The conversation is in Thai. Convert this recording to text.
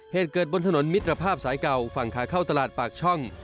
เหตุเกิดบนถนนมิตรภาพสายเก่าฝั่งขาเข้าตลาดปากช่อง